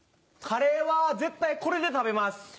カレーは絶対これで食べます。